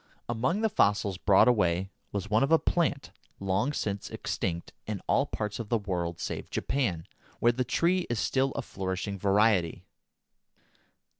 Among the fossils brought away was one of a plant long since extinct in all parts of the world save Japan, where the tree is still a flourishing variety.